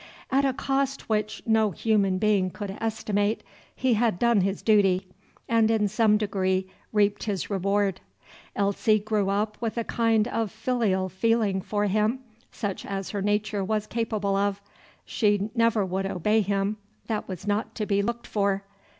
At a cost which no human being could estimate, he had done his duty, and in some degree reaped his reward. Elsie grew up with a kind of filial feeling for him, such as her nature was capable of. She never would obey him; that was not to be looked for.